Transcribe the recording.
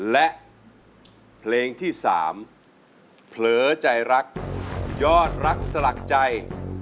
และเพลงที่๓เผลอใจรักยอดรักสลักใจ